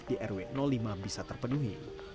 di rw lima bisa terpenuhi